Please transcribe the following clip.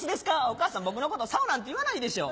お母さん僕のこと棹なんて言わないでしょ。